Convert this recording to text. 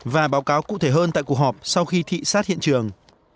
và báo cáo cụ thể hơn tại cuộc họp sau khi thị xát hiện trường